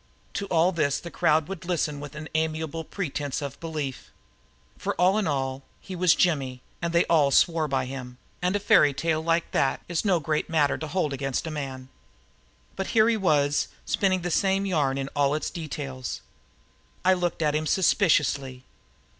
To all of this the crowd would listen with an amiable pretence of belief. For, after all, he was Jimmy and they all swore by him, and a fairy tale like that is no great matter to hold against a man. But here he was spinning the same yarn in all its details! I looked at him suspiciously.